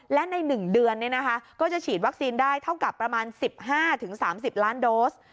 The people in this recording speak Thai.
และใน๑เดือนก็จะฉีดวัคซีนได้เท่ากับประมาณ๑๕๓๐ล้านโดส